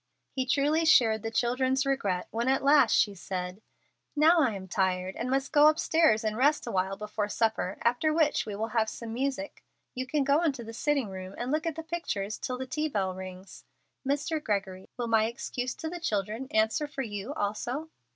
He truly shared the children's regret when at last she said, "Now I am tired, and must go upstairs and rest awhile before supper, after which we will have some music. You can go into the sitting room and look at the pictures till the tea bell rings. Mr. Gregory, will my excuse to the children answer for you also?"